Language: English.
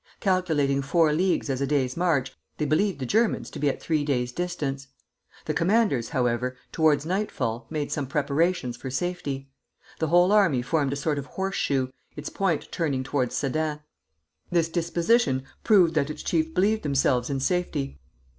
Calculating four leagues as a day's march, they believed the Germans to be at three days distance. The commanders, however, towards nightfall, made some preparations for safety. The whole army formed a sort of horse shoe, its point turning towards Sedan. This disposition proved that its chiefs believed themselves in safety.